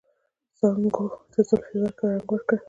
څانګو ته زلفې ورکړه ، رنګ ورکړه